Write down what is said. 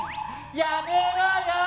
やめろよ！